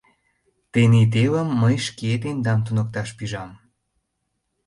Тений телым мый шке тендам туныкташ пижам.